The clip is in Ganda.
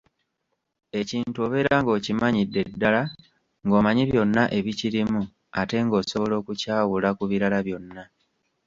Ekintu obeera ng'okimanyidde ddala, ng'omanyi byonna ebikirimu, ate ng'osobola okukyawula ku birala byonna.